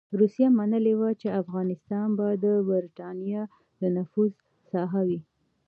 روسيې منلې وه چې افغانستان به د برټانیې د نفوذ ساحه وي.